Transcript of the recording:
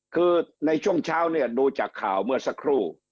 คือในช่วงเช้าเนี่ยดูจากข่าวเมื่อสักครู่